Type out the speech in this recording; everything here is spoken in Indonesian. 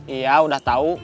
iya udah tahu